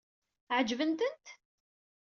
Ɛeǧbent-tent?